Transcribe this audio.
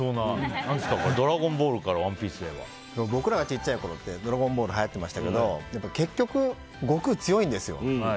僕らが小さいころって「ドラゴンボール」はやっていましたけど結局、悟空強いんですよ。